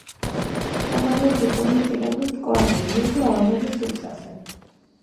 საქართველოში ბორნებს იყენებენ მტკვარზე, რიონზე, ალაზანზე, სუფსაზე.